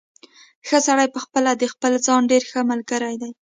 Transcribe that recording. ښه سړی پخپله د خپل ځان ډېر ښه ملګری دی.